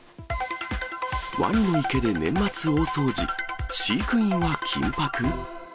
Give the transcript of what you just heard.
ワニの池で年末大掃除、飼育員は緊迫？